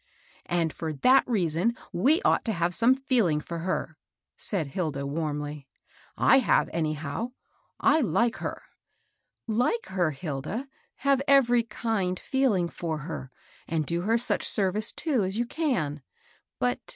And for that reason we ought to have some feeling for her," said Hilda^ warmly. " I have, anyhow. I hke her." " Like her, Hilda, have every kind feeling for her, and do her such service, too, as you can ; but, 'lO MABEL ROSS.